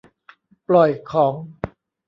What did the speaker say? ปล่อยของ